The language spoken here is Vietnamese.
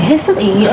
hết sức ý nghĩa